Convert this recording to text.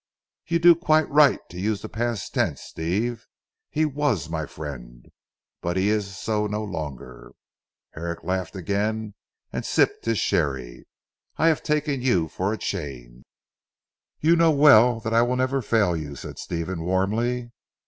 "You do quite right to use the past tense Steve. He was my friend, but he is so no longer." Herrick laughed again and sipped his sherry. "I have taken you for a change." "You know well that I will never fail you," said Stephen warmly.